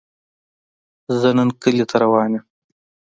زۀ نن کلي ته روان يم